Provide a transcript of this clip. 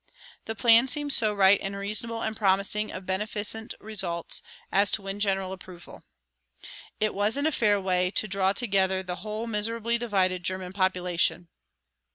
The plan seemed so right and reasonable and promising of beneficent results as to win general approval. It was in a fair way to draw together the whole miserably divided German population.